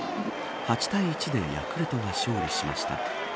８対１でヤクルトが勝利しました。